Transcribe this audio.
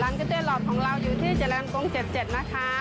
ร้านกะเจ้าหลอดของเรามีเป็นอยู่ที่จรังกรง๗๗